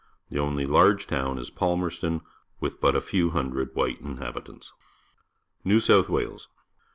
The only large town is Palmcxston, with but a few hundred white inhabitants. New South Wales.